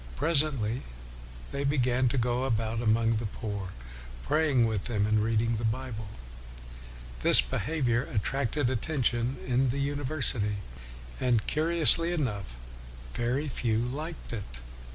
Presently, they began to go about among the poor, praying with them and reading the Bible. 300 WESLEY This behavior attracted attention in the university. And, curiously enough, very few liked it.